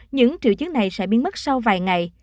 những triệu chứng này sẽ biến mất sau vài ngày